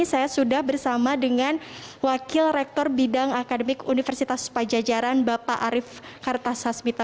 saya sudah bersama dengan wakil rektor bidang akademik universitas pajajaran bapak arief kartasasmita